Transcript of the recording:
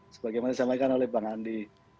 sebagai yang saya sampaikan oleh bang andi